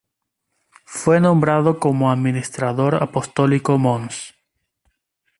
Fue nombrado como Administrador Apostólico mons.